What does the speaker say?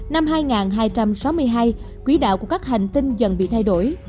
năm hai hai trăm sáu mươi hai quý đạo của các hành tinh dần bị thay đổi